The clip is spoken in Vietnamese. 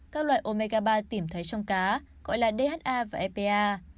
các loại omega ba tìm thấy trong cá gọi là dha và epa